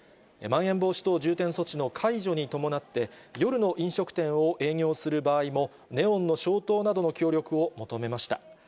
まん延防止等重点措置の解除に伴って、夜の飲食店を営業する場合も、ネオンの消灯などの協力を求めました。